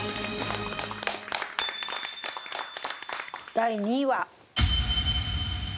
第２位は。